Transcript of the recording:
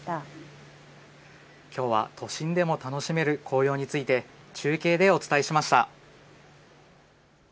きょうは都心でも楽しめる紅葉について中継でお伝えしました。